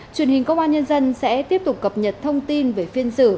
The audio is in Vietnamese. truyền hình công an nhân dân sẽ tiếp tục cập nhật thông tin về phiên xử